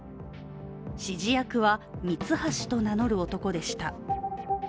指示役はミツハシと名乗る男でした。